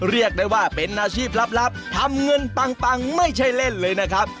เรียกได้ว่าเป็นอาชีพลับทำเงินปังไม่ใช่เล่นเลยนะครับ